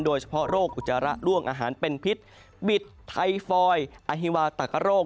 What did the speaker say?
โดยเฉพาะโรคอุจจาระล่วงอาหารเป็นพิษบิดไทฟอยอฮิวาตักกะโรค